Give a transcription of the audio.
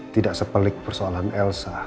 tidak sepelik persoalan elsa